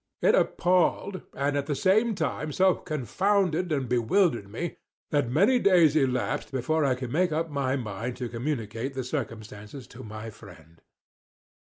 It appalled, and at the same time so confounded and bewildered me, that many days elapsed before I could make up my mind to communicate the circumstances to my friend.